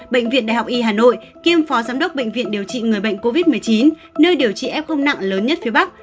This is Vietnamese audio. bệnh viện đại học y hà nội kiêm phó giám đốc bệnh viện điều trị người bệnh covid một mươi chín nơi điều trị f nặng lớn nhất phía bắc